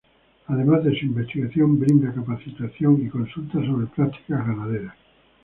Además de su investigación, brinda capacitación y consultas sobre prácticas ganaderas.